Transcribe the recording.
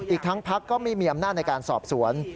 อีกทั้งพักก็ไม่มีอำนาจในการสอบสวน